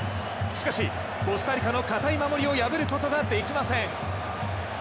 しかし、コスタリカの堅い守りを破ることができません。